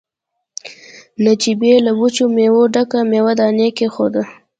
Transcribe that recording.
نجيبې له وچو مېوو ډکه مېوه داني کېښوده.